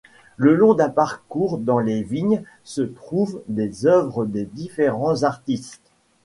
Le long d'un parcours dans les vignes se trouvent des œuvres de différents artistes.